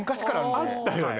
あったよね。